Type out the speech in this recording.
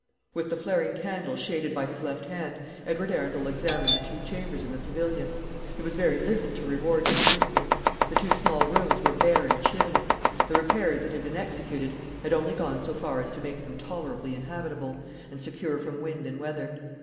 With the flaring candle shaded by his left hand, Edward Arundel examined the two chambers in the pavilion. There was very little to reward his scrutiny. The two small rooms were bare and cheerless. The repairs that had been executed had only gone so far as to make them tolerably inhabitable, and secure from wind and weather.